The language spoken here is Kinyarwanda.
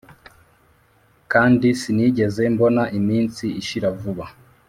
kandi sinigeze mbona iminsi ishira vuba